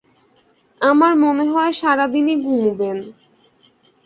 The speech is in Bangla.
আমার মনে হয় সারা দিনই ঘুমুবেন!